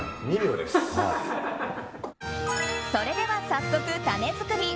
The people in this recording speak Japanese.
それでは早速タネ作り。